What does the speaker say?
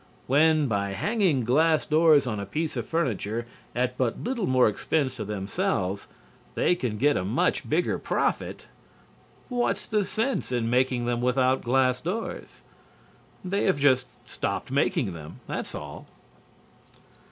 When by hanging glass doors on a piece of furniture at but little more expense to themselves they can get a much bigger profit, what's the sense in making them without glass doors? They have just stopped making them, that's all."